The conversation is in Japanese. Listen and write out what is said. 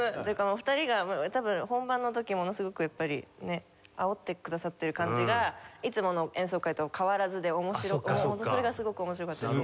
お二人が本番の時ものすごくやっぱりねあおってくださってる感じがいつもの演奏会と変わらずでそれがすごく面白かったです。